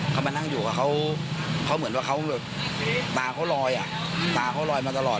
เขามานั่งอยู่เขาเหมือนว่าตาเขาลอยตาเขาลอยมาตลอด